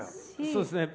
そうですね。